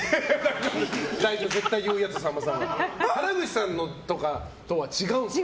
原口さんのとかとは違うんですか？